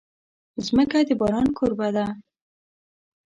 مځکه د باران کوربه ده.